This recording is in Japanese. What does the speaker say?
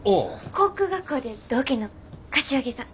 航空学校で同期の柏木さん。